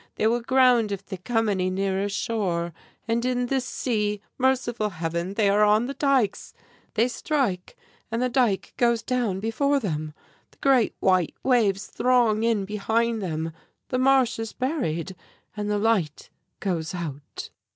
They will ground if they come any nearer shore! And in this sea Merciful Heaven, they are on the dikes! They strike and the dike goes down before them! The great white waves throng in behind them the Marsh is buried and the light goes out!"